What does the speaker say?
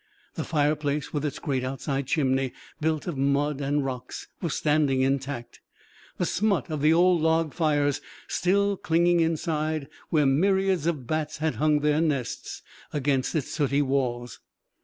The fireplace, with its great outside chimney, built of mud and rocks, was standing intact, the smut of the old log fires still clinging inside where myriads of bats had hung their nests against its sooty walls.